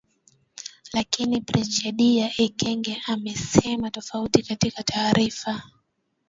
Lakini Brigedia Ekenge amesema tofauti katika taarifa